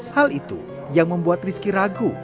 hal itu yang membuat rizky ragu